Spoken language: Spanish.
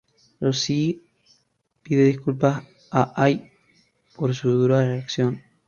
Rosie pide disculpas a Ai por su dura reacción.